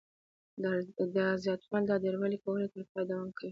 دا زیاتوالی د دایروي ګولایي تر پایه دوام کوي